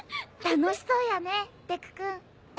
楽しそうやねデク君。